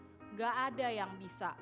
enggak ada yang bisa